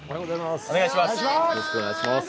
お願いします。